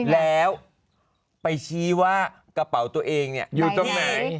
แล้วไปชี้ว่ากระเป๋ากระเป๋าตัวเอง